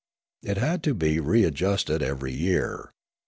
It had to be readjusted every year.